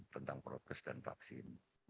tentang prokes dan vaksin